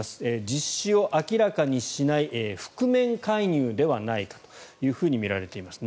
実施を明らかにしない覆面介入ではないかとみられています。